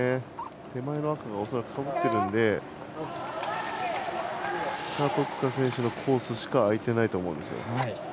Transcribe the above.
手前の赤が恐らくかぶってるので謝徳樺選手のコースしか空いていないと思います。